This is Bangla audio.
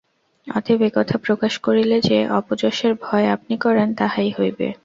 অতএব এ কথা প্রকাশ করিলে যে অপযশের ভয় আপনি করেন, তাহাই হইবে।